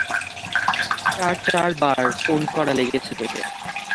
চার চার বার ফোন করা লেগেছে তোকে।